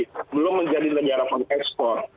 kita di negara mengekspor